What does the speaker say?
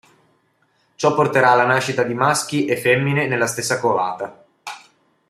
Ciò porterà alla nascita di maschi e femmine nella stessa covata.